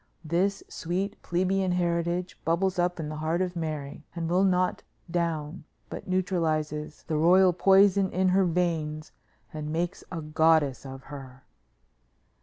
This sweet plebeian heritage bubbles up in the heart of Mary, and will not down, but neutralizes the royal poison in her veins and makes a goddess of her."